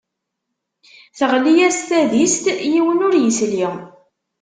Teɣli-as tadist, yiwen ur yesli.